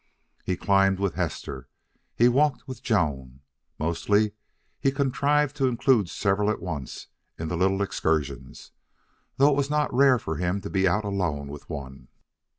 He climbed with Hester. He walked with Joan. Mostly he contrived to include several at once in the little excursions, though it was not rare for him to be out alone with one.